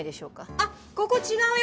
あっここ違うよ